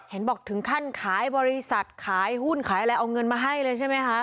บอกถึงขั้นขายบริษัทขายหุ้นขายอะไรเอาเงินมาให้เลยใช่ไหมคะ